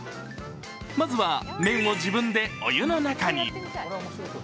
まずは、麺を自分でお湯の中に。